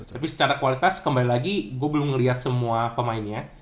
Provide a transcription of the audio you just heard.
tapi secara kualitas kembali lagi gue belum melihat semua pemainnya